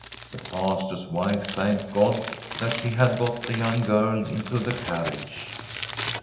The Pastor's wife thanked God that she had got the young girl into the carriage.